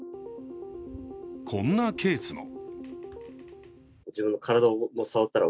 こんなケースも。